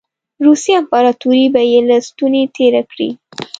روسیې امپراطوري به یې له ستوني تېره کړي.